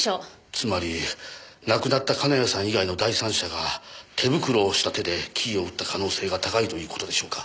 つまり亡くなった金谷さん以外の第三者が手袋をした手でキーを打った可能性が高いという事でしょうか。